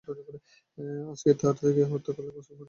আর তাঁকে হত্যা করতে পারলে মুসলমানরা কোন দিন উঠে দাঁড়াতে পারবে না।